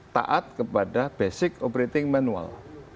taat kepada basic operating manual